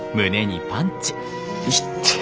いってえ。